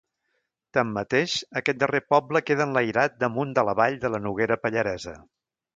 Tanmateix, aquest darrer poble queda enlairat damunt de la vall de la Noguera Pallaresa.